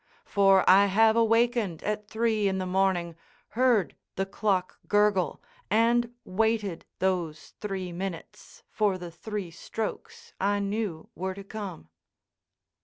For I have awakened at three in the morning, heard the clock gurgle, and waited those three minutes for the three strokes I knew were to come.